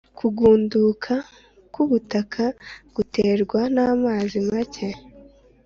Kugunduka k’ubutaka guterwa namazi make